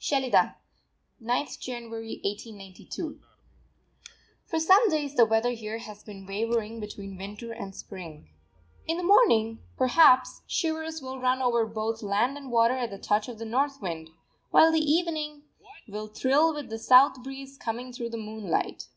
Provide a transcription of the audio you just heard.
SHELIDAH, 9_th January_ 1892. For some days the weather here has been wavering between Winter and Spring. In the morning, perhaps, shivers will run over both land and water at the touch of the north wind; while the evening will thrill with the south breeze coming through the moonlight.